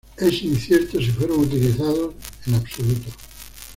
Es incierto si fueron utilizados en absoluto.